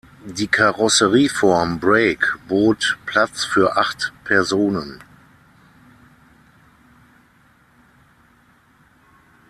Die Karosserieform Break bot Platz für acht Personen.